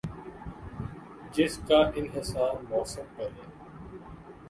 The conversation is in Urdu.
جس کا انحصار موسم پر ہے ۔